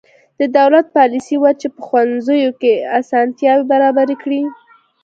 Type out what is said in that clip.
د دولت پالیسي وه چې په ښوونځیو کې اسانتیاوې برابرې کړې.